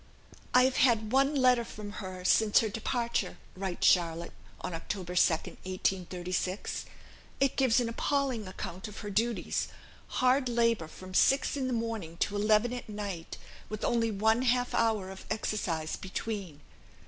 "I have had one letter from her since her departure," writes Charlotte, on October 2nd, 1836: "it gives an appalling account of her duties; hard labour from six in the morning to eleven at night, with only one half hour of exercise between.